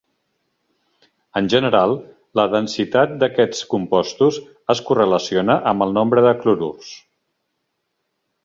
En general, la densitat d'aquests compostos es correlaciona amb el nombre de clorurs.